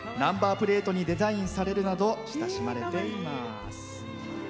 ナンバープレートにもデザインされるなど親しまれています。